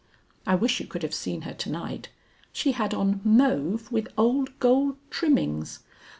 I wish you could have seen her to night; she had on mauve with old gold trimmings.